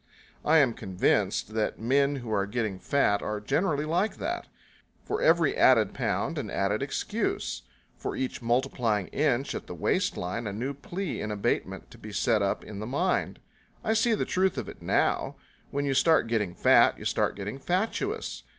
I am convinced that men who are getting fat are generally like that. For every added pound an added excuse, for each multiplying inch at the waistline a new plea in abatement to be set up in the mind. I see the truth of it now. When you start getting fat you start getting fatuous.